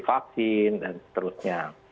vaksin dan seterusnya